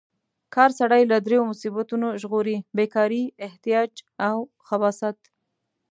کار سړی له دریو مصیبتونو ژغوري: بې کارۍ، احتیاج او خباثت.